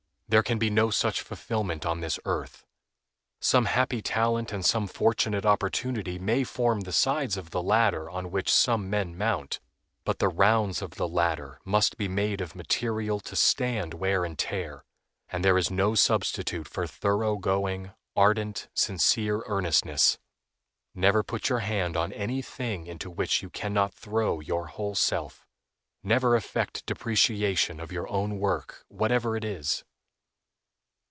There can be no such fulfillment on this earth. Some happy talent and some fortunate opportunity may form the sides of the ladder on which some men mount; but the rounds of the ladder must be made of material to stand wear and tear, and there is no substitute for thorough going, ardent, sincere earnestness. Never put your hand on any thing into which you can not throw your whole self; never affect depreciation of your own work, whatever it is.